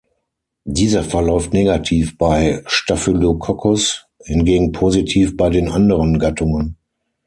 Dieser verläuft negativ bei "Staphylococcus", hingegen positiv bei den anderen Gattungen.